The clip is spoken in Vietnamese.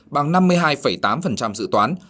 bằng năm mươi hai tám dự toán